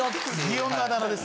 擬音のあだ名です。